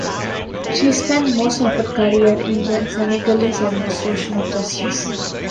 She spent most of her career in the Senegalese administration of justice.